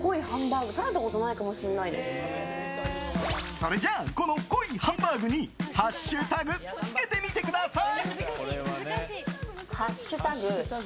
それじゃあ、この濃いハンバーグにハッシュタグつけてみてください。